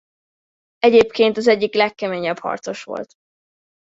Egyébként az egyik legkeményebb harcos volt.